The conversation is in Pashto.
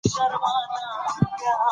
د لوړ مدیریت سره شفافه اړیکه ضروري ده.